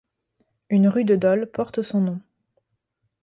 Une rue de Dôle porte son nom.